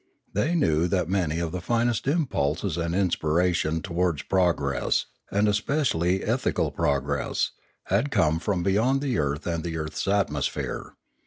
They knew that many of the finest impulses and inspirations towards progress, and especially ethi cal progress, had come from beyond the earth and the Ethics 619 earth's atmosphere.